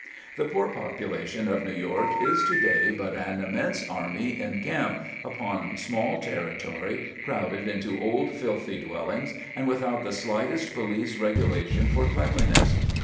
The poor population of New York is to day but an immense army in camp, upon small territory, crowded into old filthy dwellings, and without the slightest police regulation for cleanliness.